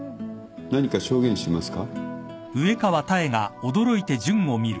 何か証言しますか？